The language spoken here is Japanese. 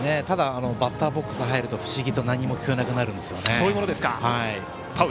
バッターボックスに入ると不思議と何も聞こえなくなるんですね。